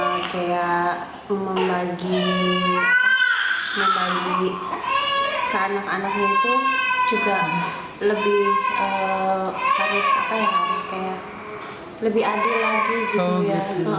terus kayak membagi ke anak anak itu juga lebih harus lebih adil lagi gitu ya